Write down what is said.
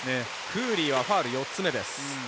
クーリーはファウル４つ目。